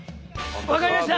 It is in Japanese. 分かりました。